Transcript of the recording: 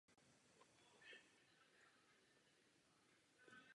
Zvláštností jsou také speciálně upravené přední zuby a krátké slepé střevo.